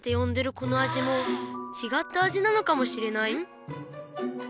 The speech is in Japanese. このあじもちがったあじなのかもしれない